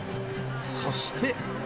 そして。